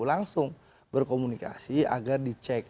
langsung berkomunikasi agar dicek